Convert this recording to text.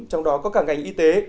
trong đó có cả ngành y tế